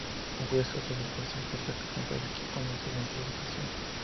Hugues usó el brazalete de capitán para el equipo nacional en tres ocasiones.